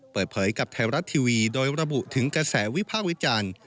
เปิดเผยกับไทยรัฐทีวีโดยระบุถึงกระแสวิพากษ์วิจารณ์